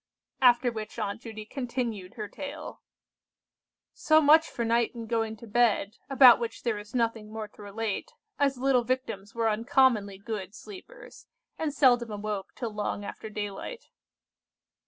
After which Aunt Judy continued her tale:— "So much for night and going to bed, about which there is nothing more to relate, as the little Victims were uncommonly good sleepers, and seldom awoke till long after daylight.